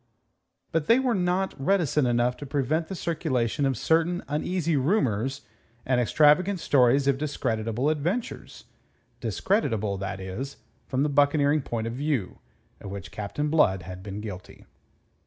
But they were not reticent enough to prevent the circulation of certain uneasy rumours and extravagant stories of discreditable adventures discreditable, that is, from the buccaneering point of view of which Captain Blood had been guilty.